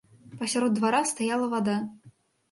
Пасярод двара стаяла вада.